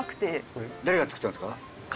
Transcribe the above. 誰が作ったんですか？